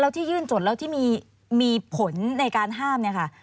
ที่ยื่นจดแล้วที่มีผลในการห้ามเนี่ยค่ะ